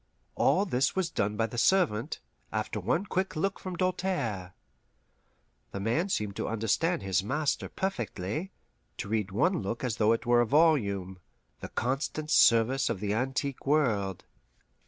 All this was done by the servant, after one quick look from Doltaire. The man seemed to understand his master perfectly, to read one look as though it were a volume "The constant service of the antique world."